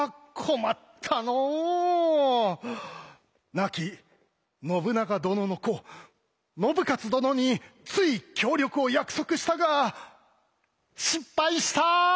亡き信長殿の子信雄殿につい協力を約束したが失敗した！